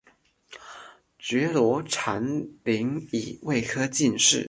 觉罗长麟乙未科进士。